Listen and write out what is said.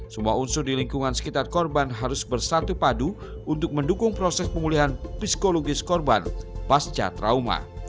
semua unsur di lingkungan sekitar korban harus bersatu padu untuk mendukung proses pemulihan psikologis korban pasca trauma